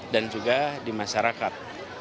dan juga di masyarakat